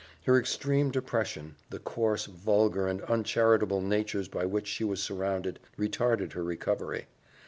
Her extreme depression, the coarse, vulgar, and uncharitable natures by which she was surrounded, retarded her recovery.